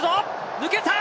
抜けた！